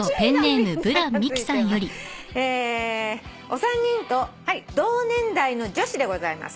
「お三人と同年代の女子でございます」